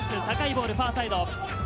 高いボール、ファーサイド。